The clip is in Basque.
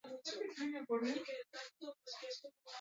Umamia edo bosgarren zaporea izango dute jomuga.